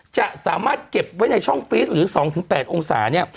จะสามารถเก็บไว้ในช่องฟีสหรือ๒๘องศาเนี่ย